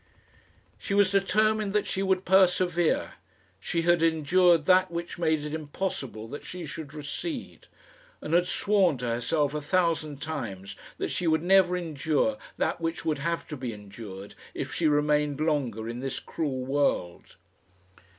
She was determined that she would persevere. She had endured that which made it impossible that she should recede, and had sworn to herself a thousand times that she would never endure that which would have to be endured if she remained longer in this cruel world.